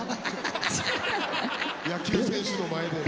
野球選手の前で。